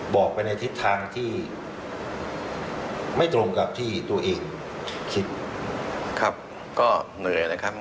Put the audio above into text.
บอกไปในทิศทางที่ไม่ตรงกับที่ตัวเองคิดครับก็เหนื่อยนะครับ